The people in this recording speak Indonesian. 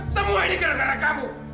semua ini gara gara kamu